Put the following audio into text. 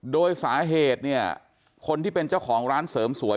โดยสาเหตุเนี่ยคนที่เป็นเจ้าของร้านเสริมสวย